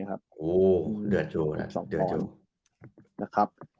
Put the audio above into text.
โหเดือดโชว์นะ๑๒ฟอง